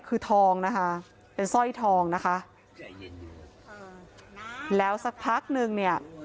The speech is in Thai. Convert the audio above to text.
คือทองนะคะเป็นสร้อยทองนะคะแล้วสักพักนึงเนี่ย